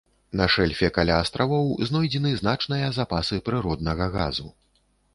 На шэльфе каля астравоў знойдзены значныя запасы прыроднага газу.